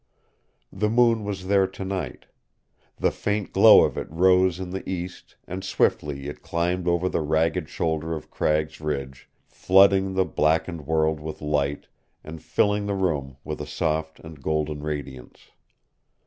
The moon was there tonight. The faint glow of it rose in the east and swiftly it climbed over the ragged shoulder of Cragg's Ridge, flooding the blackened world with light and filling the room with a soft and golden radiance.